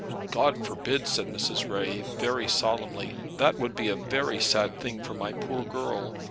"God forbid!" said Mrs. Ray very solemnly. "That would be a very sad thing for my poor girl.